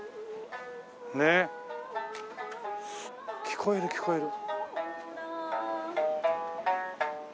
聞こえる聞こえる。